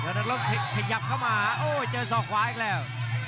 นักรบขยับเข้ามาโอ้เจอสอกขวาอีกแล้ว